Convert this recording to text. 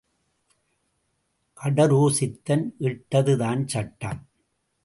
கடோர சித்தன் இட்டது தான் சட்டம்.